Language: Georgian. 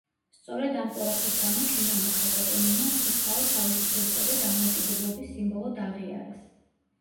სწორედ ამ ყველაფრის გამო ჩინელმა ქალბატონებმა ცი ფაო თავისუფლებისა და დამოუკიდებლობის სიმბოლოდ აღიარეს.